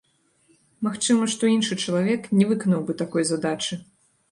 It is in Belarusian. Магчыма, што іншы чалавек не выканаў бы такой задачы.